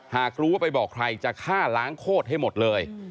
หากรู้ว่าไปบอกใครจะฆ่าล้างโคตรให้หมดเลย